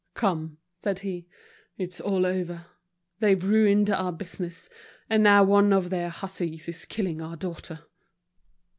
"Come," said he, "it's all over. They've ruined our business, and now one of their hussies is killing our daughter."